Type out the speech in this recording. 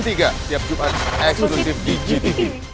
siap jumpa eksklusif di gtv